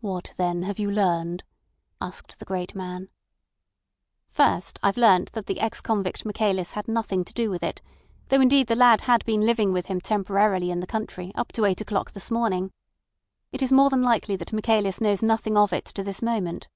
"What then have you learned?" asked the great man. "First, I've learned that the ex convict Michaelis had nothing to do with it, though indeed the lad had been living with him temporarily in the country up to eight o'clock this morning. It is more than likely that Michaelis knows nothing of it to this moment."